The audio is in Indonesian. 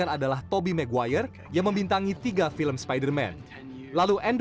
saya tahu itu spider man karena itu mengatakan spider man di papan